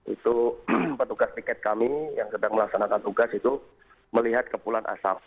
itu petugas tiket kami yang sedang melaksanakan tugas itu melihat kepulan asap